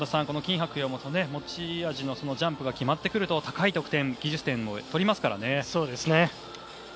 このキン・ハクヨウも持ち味のジャンプが決まってくると高い得点、技術点を取りますね。